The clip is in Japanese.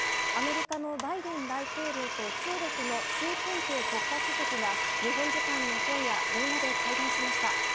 アメリカのバイデン大統領と中国の習近平国家主席が日本時間の今夜電話で会談しました。